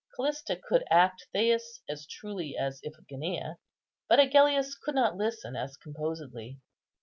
Callista could act Thais as truly as Iphigenia, but Agellius could not listen as composedly.